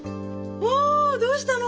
おおどうしたの？